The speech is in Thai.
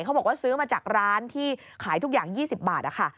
บอกว่าซื้อมาจากร้านที่ขายทุกอย่าง๒๐บาทค่ะ